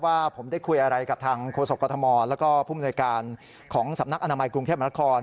ว่าผมได้คุยอะไรกับทางโครโสกตธและผู้บริการของสำนักอนามัยกรุงเทพมหานคร